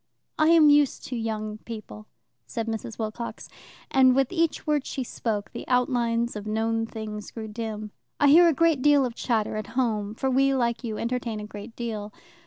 "I am used to young people," said Mrs. Wilcox, and with each word she spoke the outlines of known things grew dim. "I hear a great deal of chatter at home, for we, like you, entertain a great deal.